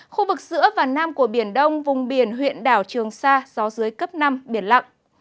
khu vực giữa và nam của biển đông vùng biển huyện đảo trường sa gió dưới cấp năm biển lặng